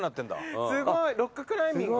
すごいロッククライミング。